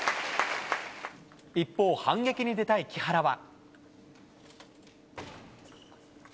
一方、反撃に出たい木原は。